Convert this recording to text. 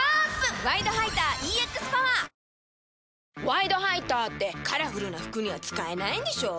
「ワイドハイター」ってカラフルな服には使えないんでしょ？